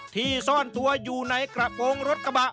ซ่อนตัวอยู่ในกระโปรงรถกระบะ